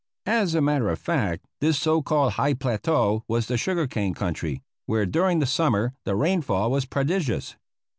As a matter of fact, this so called high plateau was the sugar cane country, where, during the summer, the rainfall was prodigious.